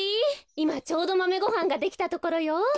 いまちょうどマメごはんができたところよ。